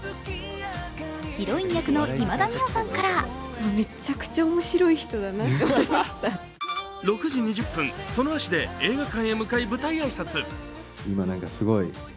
ヒロイン役の今田美桜さんから６時２０分、その足で映画館に向かい舞台挨拶。